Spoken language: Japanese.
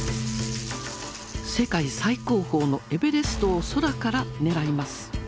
世界最高峰のエベレストを空から狙います。